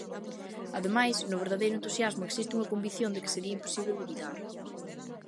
Ademais, no verdadeiro entusiasmo existe unha convicción da que sería imposible dubidar.